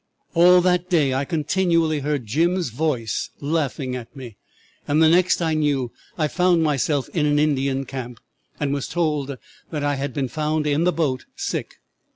"'All that day I continually heard Jim's voice laughing at me, and the next I knew I found myself in an Indian camp, and was told that I had been found in the boat sick.